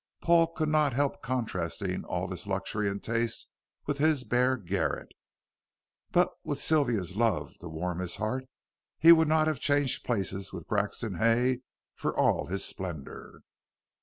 Paul could not help contrasting all this luxury and taste with his bare garret. But with Sylvia's love to warm his heart, he would not have changed places with Grexon Hay for all his splendor.